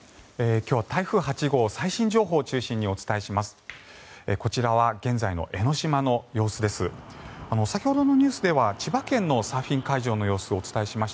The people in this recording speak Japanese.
今日は台風８号の最新情報を中心にお伝えします。